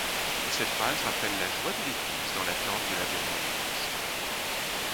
Cette phrase rappelle la joie de l'Église dans l'attente de l'avènement du Christ.